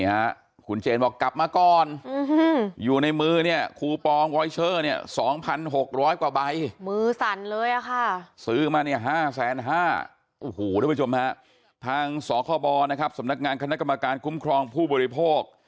โอ้โหทุกผู้ชมฮะทางสคบนะครับสำนักงานคณะกรรมการคุ้มครองผู้บริโภค